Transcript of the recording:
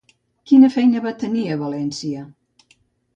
Quina feina va tenir a València?